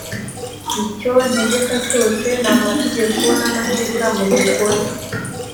icyo ntegeka cyose n amategeko n amateka mugikore